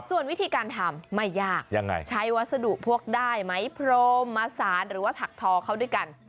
ส่วนวิธีการทำไม่ยากใช้วัสดุพวกได้ไหมพรมมาสารหรือว่าถักทอเขาด้วยกัน